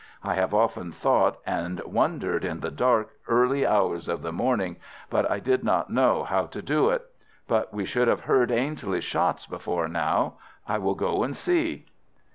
I have often thought and wondered in the dark, early hours of the morning, but I did not know how to do it. But we should have heard Ainslie's shots before now; I will go and see."